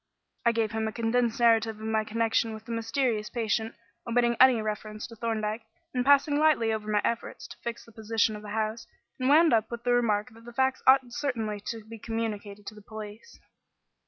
I gave him a condensed narrative of my connection with the mysterious patient, omitting any reference to Thorndyke, and passing lightly over my efforts to fix the position of the house, and wound up with the remark that the facts ought certainly to be communicated to the police.